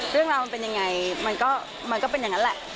เรื่องราวมันเป็นยังไงมันก็เป็นอย่างนั้นแหละ